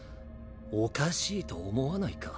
おかしいと思わないか？